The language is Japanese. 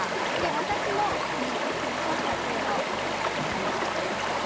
私もこの撮影後、試してみました。